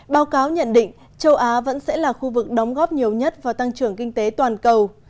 báo cáo nhận định châu á vẫn sẽ là khu vực đóng góp nhiều nhất vào tăng trưởng kinh tế toàn cầu